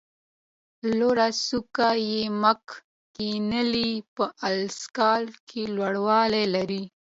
لوړه څوکه یې مک کینلي په الاسکا کې لوړوالی لري.